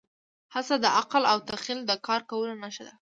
هڅه د عقل او تخیل د کار کولو نښه ده.